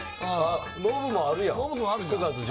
ノブもあるやん。